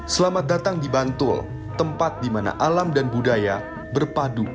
selamat datang di bantul tempat di mana alam dan budaya berpadu